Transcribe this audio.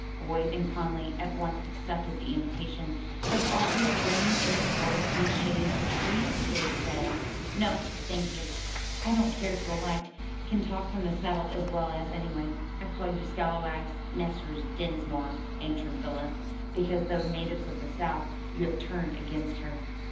Boyd and Conly at once accepted the invitation, but Foster, reining in his horse in the shade of a tree at the gate, said, "No, thank you; I don't care to alight, can talk from the saddle as well as anyway. I call you scalawags, Messrs. Dinsmore and Travilla, because though natives of the South, you have turned against her."